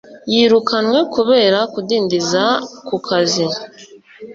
yirukanwe kubera kudindiza ku kazi